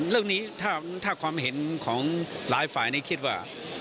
เรื่องนี้ถ้าความเห็นของหลายฝ่ายนี้คิดว่า